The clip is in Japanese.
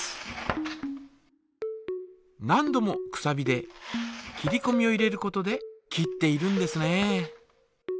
何度もくさびで切りこみを入れることで切っているんですね。